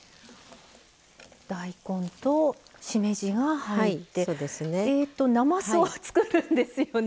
大根と、しめじが入ってなますを作るんですよね。